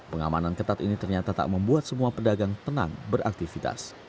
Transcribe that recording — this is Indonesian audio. pengamanan ketat ini ternyata tak membuat semua pedagang tenang beraktivitas